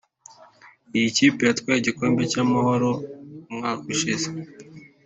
Iyi kipe yatwaye igikombe cy’Amahoro umwaka ushize